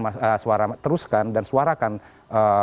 nah karena kan suarakan teruskan dan suarakan teruskan